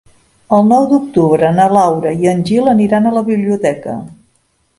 El nou d'octubre na Laura i en Gil aniran a la biblioteca.